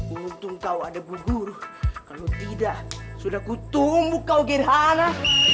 untung kau ada bu guru kalau tidak sudah kutumu kau gerhana